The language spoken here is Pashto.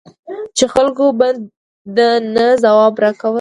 چې خلکو به د نه ځواب را کاوه.